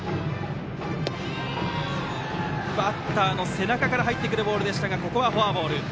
バッターの背中から入ってくるボールでしたがここはフォアボール。